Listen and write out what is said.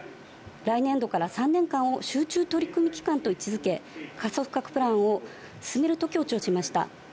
来年度から３年間を集中取組期間と位置づけ、加速化プランを進めると強調しました。